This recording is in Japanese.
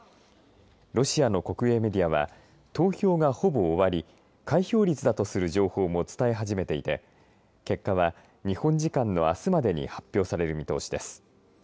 ロシアの国営メディアは投票がほぼ終わり開票率だとする情報も伝え始めていて、結果は日本時間のあすまでに発表される見通しです。